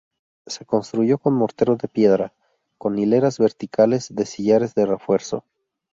Se construyó con mortero de piedra con hileras verticales de sillares de refuerzo.